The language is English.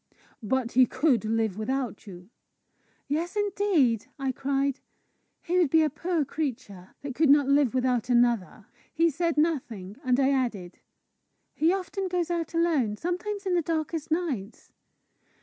"But he could live without you?" "Yes, indeed!" I cried. "He would be a poor creature that could not live without another!" He said nothing, and I added, "He often goes out alone sometimes in the darkest nights."